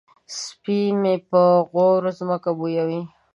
سپی مې په غور ځمکه بویوي.